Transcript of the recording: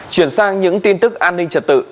chuyển sang những tin tức an ninh trật tự